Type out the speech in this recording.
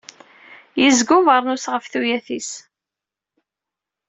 Yezga ubernus ɣef tuyat-is.